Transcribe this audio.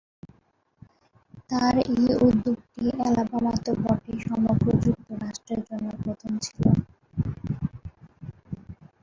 তার এই উদ্যোগটি অ্যালাবামা তো বটেই, সমগ্র যুক্তরাষ্ট্রের জন্য প্রথম ছিল।